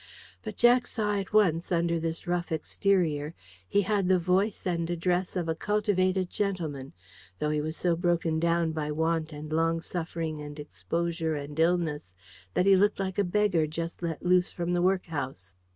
But Jack saw at once under this rough exterior he had the voice and address of a cultivated gentleman, though he was so broken down by want and long suffering and exposure and illness that he looked like a beggar just let loose from the workhouse.